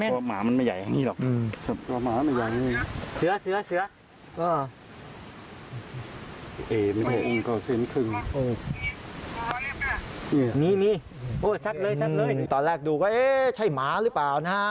นี่ตอนแรกดูก็เอ๊ะใช่หมาหรือเปล่านะฮะ